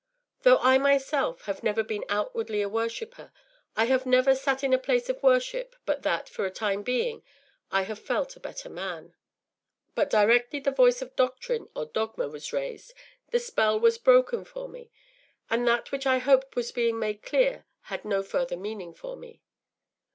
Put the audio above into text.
Though I myself have never been outwardly a worshipper, I have never sat in a place of worship but that, for the time being, I have felt a better man. But directly the voice of doctrine or dogma was raised the spell was broken for me, and that which I hoped was being made clear had no further meaning for me.